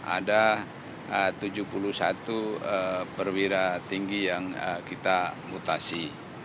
ada tujuh puluh satu perwira tinggi yang kita mutasi